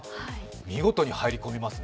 見事に入り込みますね。